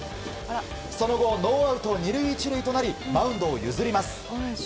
その後ノーアウト２塁１塁となりマウンドを譲ります。